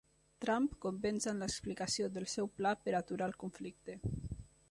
Trump convenç en l'explicació del seu pla per aturar el conflicte